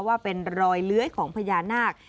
ว่าเป็นรอยเลื้อยของพญานาค